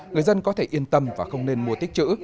người dân có thể yên tâm và không nên mua tích chữ